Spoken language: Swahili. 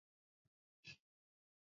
malaria ni ugonjwa hatari kwa mama mjamzito